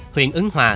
huyện ứng hòa